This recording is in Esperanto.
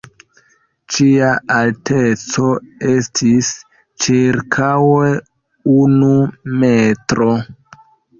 Ĝia alteco estis ĉirkaŭe unu metro.